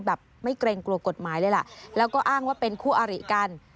แบบไม่เกรงกลัวกฎหมายเลยล่ะแล้วก็อ้างว่าเป็นคู่อาริกัน